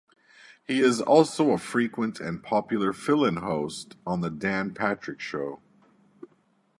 He is also a frequent and popular fill-in host on the Dan Patrick Show.